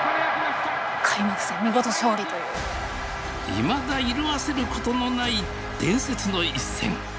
いまだ色あせることのない伝説の一戦。